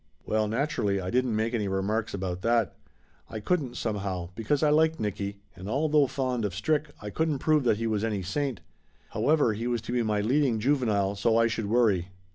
Well, naturally, I didn't make any remarks about that. I couldn't, somehow, because I liked Nicky, and although fond of Strick I couldn't prove that he was any saint. However, he was to be my leading juvenile, so I should worry!